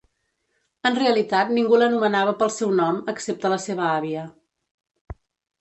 En realitat ningú l'anomenava pel seu nom excepte la seva àvia.